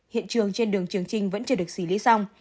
hiện trường trên đường trường trinh vẫn chưa được xử lý xong